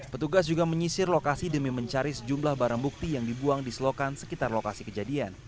petugas juga menyisir lokasi demi mencari sejumlah barang bukti yang dibuang di selokan sekitar lokasi kejadian